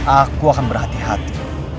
aku akan berhati hati